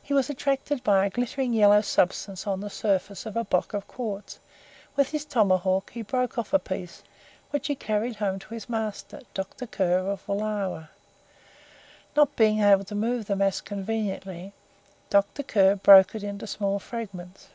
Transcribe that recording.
He was attracted by a glittering yellow substance on the surface of a block of quartz. With his tomahawk he broke off a piece, which he carried home to his master, Dr. Kerr, of Wallawa. Not being able to move the mass conveniently, Dr. Kerr broke it into small fragments.